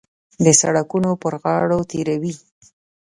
د سړکونو پر غاړو تېروي.